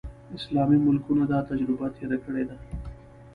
اسلامي ملکونو دا تجربه تېره کړې ده.